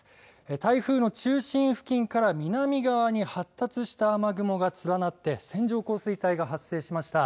台風の中心付近から南側に発達した雨雲が連なって線状降水帯が発生しました。